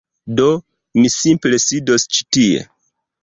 Do, mi simple sidos ĉi tie